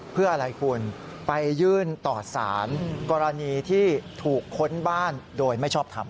เพื่ออะไรคุณไปยื่นต่อสารกรณีที่ถูกค้นบ้านโดยไม่ชอบทำ